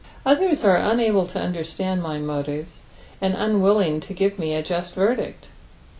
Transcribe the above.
Others are unable to underetand my motives, and uDwilliDg to give me a just verdict.